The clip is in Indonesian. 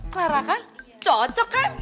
clara kan cocok kan